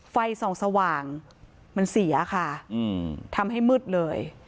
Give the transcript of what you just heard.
ไฟส่องสว่างมันเสียค่ะทำให้มืดเลย